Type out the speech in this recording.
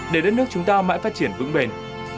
để đất nước chúng ta mãi phát triển vững bền